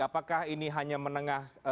apakah ini hanya menengah